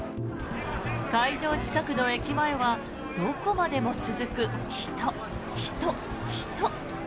会場近くの駅前はどこまでも続く人、人、人。